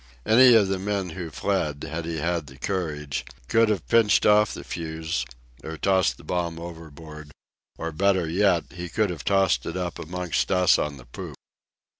Any of the men who fled, had he had the courage, could have pinched off the fuse, or tossed the bomb overboard, or, better yet, he could have tossed it up amongst us on the poop.